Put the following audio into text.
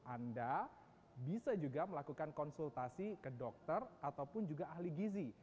anda bisa juga melakukan konsultasi ke dokter ataupun juga ahli gizi